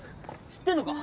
知ってんのか？